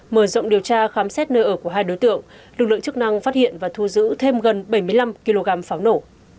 mở rộng điều tra khám xét nơi ở của hai đối tượng lực lượng chức năng phát hiện và thu giữ thêm gần bảy mươi năm kg pháo nổ